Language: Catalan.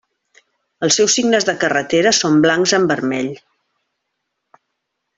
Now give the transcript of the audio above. Els seus signes de carretera són blancs en vermell.